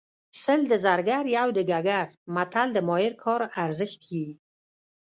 سل د زرګر یو د ګګر متل د ماهر کار ارزښت ښيي